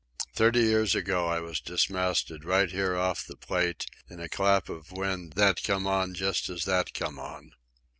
"Thirty years ago I was dismasted right here off the Plate in a clap of wind that come on just as that come on."